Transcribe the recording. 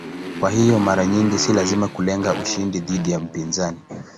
Kwa hiyo mara nyingi si lazima kulenga ushindi dhidi ya mpinzani.